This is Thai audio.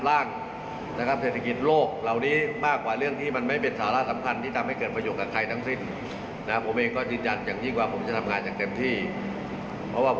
ไม่ต้องห่วงแต่ยังไม่ไปไหนไม่ต้องกลัว